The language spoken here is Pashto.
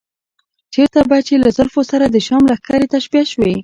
چېرته به چې له زلفو سره د شام لښکرې تشبیه شوې.